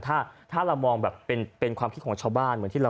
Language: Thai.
ถ้าเรามองเป็นความคิดของชาวบ้านแบบไหน